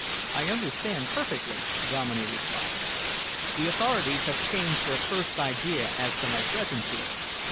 "I understand perfectly," Dominey replied. "The authorities have changed their first idea as to my presence here.